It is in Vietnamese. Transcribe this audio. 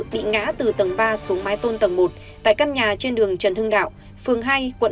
bị ngã từ tầng ba xuống mái tôn tầng một tại căn nhà trên đường trần hưng đạo phường hai quận một